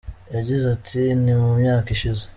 Yagize ati “Ni mu myaka ishize.